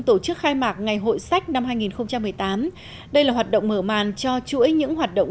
tổ chức khai mạc ngày hội sách năm hai nghìn một mươi tám đây là hoạt động mở màn cho chuỗi những hoạt động